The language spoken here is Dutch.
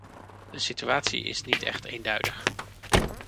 De situatie is niet echt eenduidig.